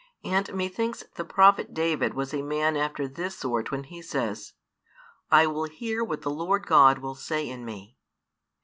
And methinks the prophet David was a man after this sort when he says, I will hear what the Lord God will say in me.